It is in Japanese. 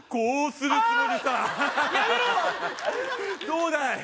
どうだい？